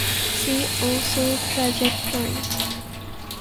See also trajectory.